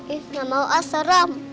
ih gak mau ah serem